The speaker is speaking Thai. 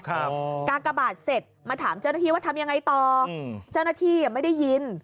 กากบาทเสร็จมาถามเจ้าหน้าที่ว่าทำยังไงต่ออืมเจ้าหน้าที่อ่ะไม่ได้ยิน